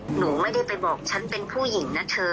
หนูไม่ได้ไปบอกฉันเป็นผู้หญิงนะเธอ